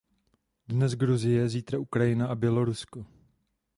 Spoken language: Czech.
Dnes Gruzie, zítra Ukrajina a Bělorusko.